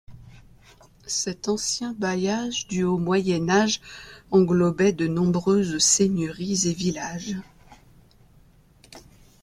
Cet ancien bailliage du Haut Moyen Âge englobait de nombreuses seigneuries et villages.